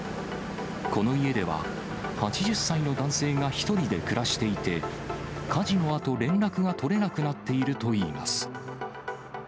この家では、８０歳の男性が１人で暮らしていて、火事のあと、連絡が取れなくなっているといいます。